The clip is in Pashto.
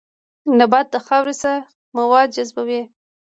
نبات د خاورې څخه مواد جذبوي